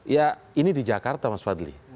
ya ini di jakarta mas fadli